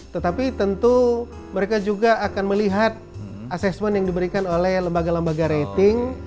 tetapi tentu mereka juga akan melihat assessment yang diberikan oleh lembaga lembaga rating